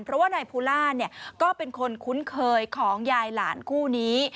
เพราะว่านายภูล่าก็เป็นคนคุ้นเคยของยายหลานคู่นี้